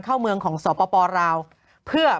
โหยวายโหยวายโหยวายโหยวาย